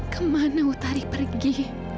kemana utari pergi